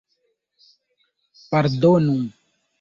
pardonu